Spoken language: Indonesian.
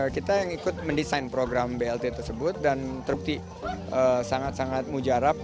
kita yang ikut mendesain program blt tersebut dan terbukti sangat sangat mujarab